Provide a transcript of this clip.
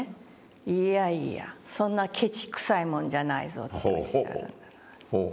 「いやいやそんなケチくさいもんじゃないぞ」とおっしゃる。